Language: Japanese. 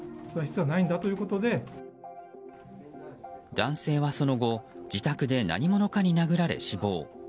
男性はその後自宅で何者かに殴られ死亡。